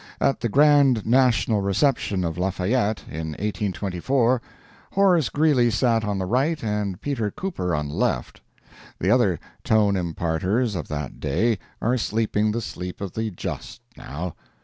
At the grand national reception of Lafayette, in 1824, Horace Greeley sat on the right and Peter Cooper on the left. The other Tone imparters of that day are sleeping the sleep of the just now.